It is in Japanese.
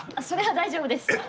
それは大丈夫です。